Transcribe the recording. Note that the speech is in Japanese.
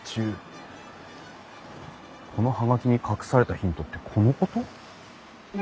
この葉書に隠されたヒントってこのこと？